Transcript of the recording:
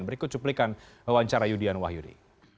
berikut cuplikan wawancara yudhian wahyudi